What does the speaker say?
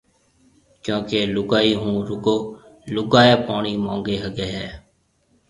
ڪيونڪہ لُگائي هون رُگو لُگائي پوڻِي مونگي هگھيَََ هيَ۔